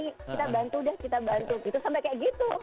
kita bantu deh kita bantu gitu sampai kayak gitu